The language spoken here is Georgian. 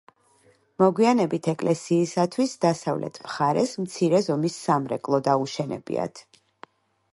მოგვიანებით ეკლესიისათვის დასავლეთ მხარეს მცირე ზომის სამრეკლო დაუშენებიათ.